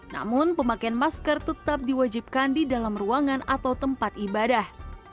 namun pemakaian masker tetap diwajibkan di dalam ruangan atau tempat ibadah